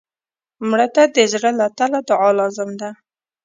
مړه ته د زړه له تله دعا لازم ده